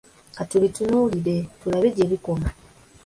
Katubitunuulire tulabe gyebikoma.